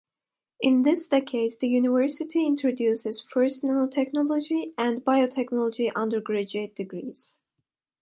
In this decade the university introduced its first nanotechnology and biotechnology undergraduate degrees.